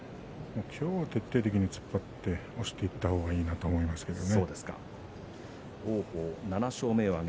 今日は徹底的に突っ張って押していった方がいいなと思いますけれども。